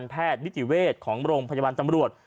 แพทย์นิติเวชฯของโรงพัจจบันตร์ตำรวจ